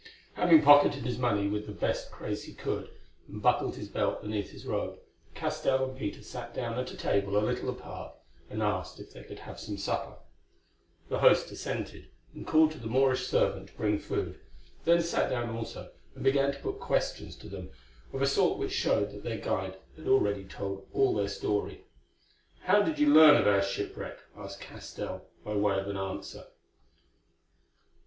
Having pocketed his money with the best grace he could, and buckled his belt beneath his robe, Castell and Peter sat down at a table a little apart, and asked if they could have some supper. The host assented, and called to the Moorish servant to bring food, then sat down also, and began to put questions to them, of a sort which showed that their guide had already told all their story. "How did you learn of our shipwreck?" asked Castell by way of answer.